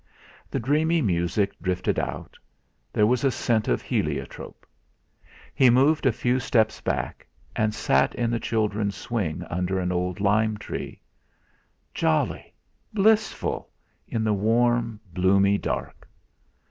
The dreamy music drifted out; there was a scent of heliotrope. He moved a few steps back, and sat in the children's swing under an old lime tree. Jolly blissful in the warm, bloomy dark!